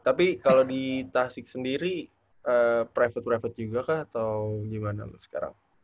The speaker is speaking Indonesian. tapi kalau di tasik sendiri private private juga kah atau gimana loh sekarang